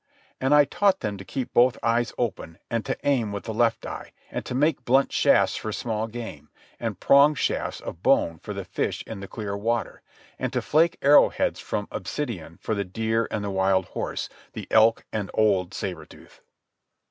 And I taught them to keep both eyes open, and to aim with the left eye, and to make blunt shafts for small game, and pronged shafts of bone for the fish in the clear water, and to flake arrow heads from obsidian for the deer and the wild horse, the elk and old Sabre Tooth.